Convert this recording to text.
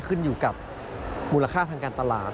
ขึ้นอยู่กับมูลค่าทางการตลาด